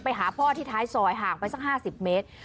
ไปหาพ่อที่ท้ายซอยห่างไปสัก๕๐เมตร